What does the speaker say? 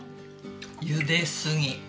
ゆですぎ。